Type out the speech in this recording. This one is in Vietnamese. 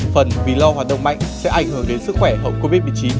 phần vì lo hoạt động mạnh sẽ ảnh hưởng đến sức khỏe hậu covid một mươi chín